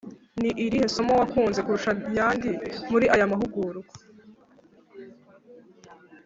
Ni irihe somo wakunze kurusha ayandi muri aya mahugurwa